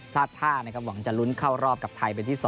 ท่านะครับหวังจะลุ้นเข้ารอบกับไทยเป็นที่๒